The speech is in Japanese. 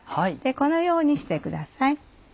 このようにしてください。